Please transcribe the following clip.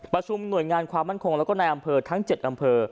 หน่วยงานความมั่นคงแล้วก็ในอำเภอทั้ง๗อำเภอ